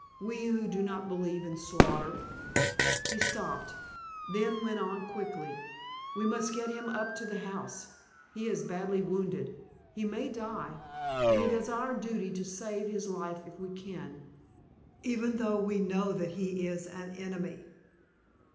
We who do not believe in slaughter——" He stopped, then went on quickly, "We must get him up to the house—he is badly wounded—he may die—and it is our duty to save his life if we can, even though we know that he is an enemy."